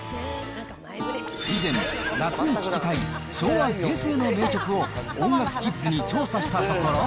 以前、夏に聴きたい昭和・平成の名曲を音楽キッズに調査したところ。